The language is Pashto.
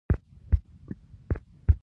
آیا د اقتصاد او تاریخ په رڼا کې نه ده؟